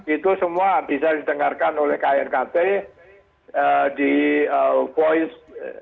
itu semua bisa didengarkan oleh knkt di voice